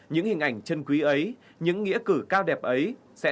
những hình ảnh chân quý ấy những nghĩa cử cao đẹp ấy sẽ